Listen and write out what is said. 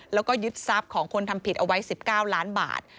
แล้วก็ยึดทรัพย์ของคนทำผิดเอาไว้๑๙ล้านบาท